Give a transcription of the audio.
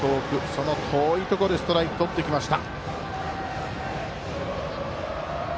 その遠いところでストライクをとってきました。